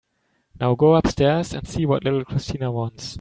Now go upstairs and see what little Christina wants.